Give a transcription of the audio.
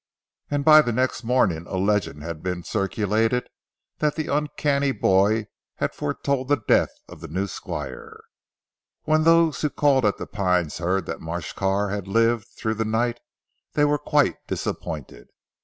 And by the next morning a legend had been circulated that the uncanny boy, had foretold the death of the new Squire. When those who called at 'The Pines' heard that Marsh Carr had lived through the night, they were quite disappointed.